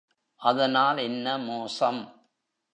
அதனால் என்ன மோசம்?